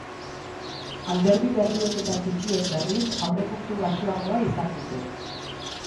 Alderdi berriek eta txikiek, berriz, aurrekontu baxuagoa izan dute.